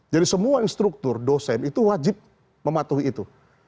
jadi semua instruktur dosen itu wajib mematuhi itu